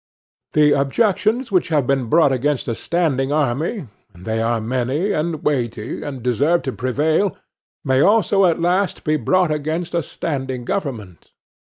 The objections which have been brought against a standing army, and they are many and weighty, and deserve to prevail, may also at last be brought against a standing government.